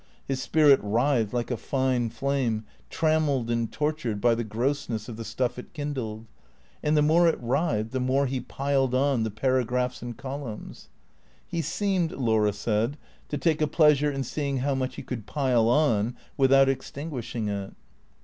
His spirit writhed like a fine flame, trammelled and tortured by the grossness of the stuff it kindled, and the more it writhed the more he piled on the paragraphs and columns. He seemed, Laura said, to take a pleasure in seeing how much he could pile on without extinguish ing it.